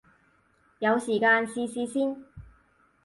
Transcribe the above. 有時間試試先